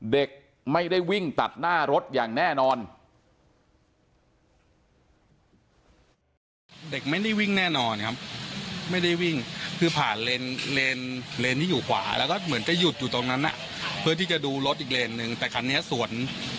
เด็กไม่ได้วิ่งตัดหน้ารถอย่างแน่นอน